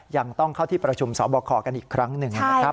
ยังต้องเข้าที่ประชุมสอบคอกันอีกครั้งหนึ่งนะครับ